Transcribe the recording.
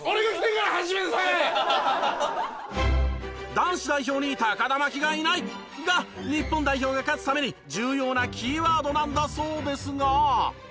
「男子代表に田真希がいない！」が日本代表が勝つために重要なキーワードなんだそうですが。